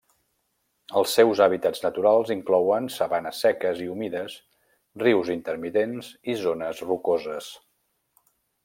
Els seus hàbitats naturals inclouen sabanes seques i humides, rius intermitents i zones rocoses.